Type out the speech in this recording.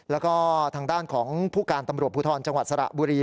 แล้วก็ทางด้านของผู้การตำรวจภูทรจังหวัดสระบุรี